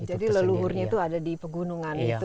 jadi leluhurnya itu ada di pegunungan itu ya